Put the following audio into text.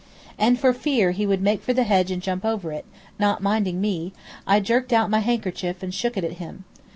And for fear he would make for the hedge and jump over it, not minding me, I jerked out my handkerchief and shook it at him.